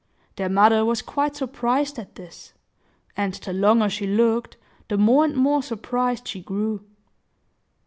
Their mother was quite surprised at this; and the longer she looked, the more and more surprised she grew.